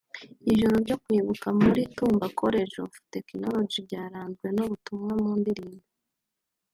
Ijoro ryo kwibuka muri Tumba College of Technology ryaranzwe n’ubutumwa mu ndirimbo